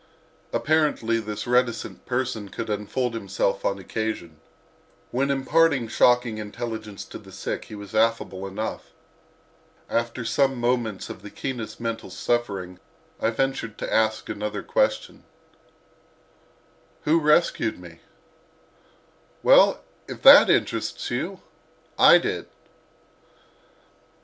Apparently this reticent person could unfold himself on occasion. When imparting shocking intelligence to the sick he was affable enough. After some moments of the keenest mental suffering I ventured to ask another question: "Who rescued me?" "Well, if that interests you—I did."